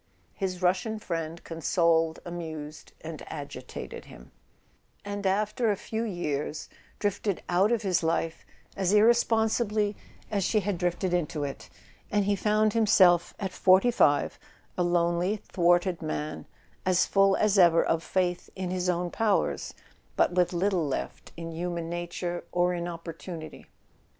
His Russian friend consoled, amused and agitated him, and after a few years drifted out of his life as irresponsibly as she had drifted into it; and he found himself, at forty five, a lonely thwarted man, as full as ever of faith in his own powers, but with little left in human nature or in opportunity.